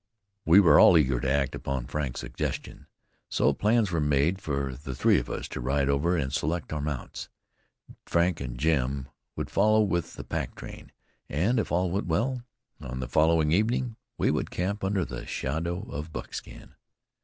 We were all eager to act upon Frank's suggestion. So plans were made for three of us to ride over and select our mounts. Frank and Jim would follow with the pack train, and if all went well, on the following evening we would camp under the shadow of Buckskin.